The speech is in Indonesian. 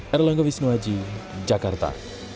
erlangga wisnuaji jakarta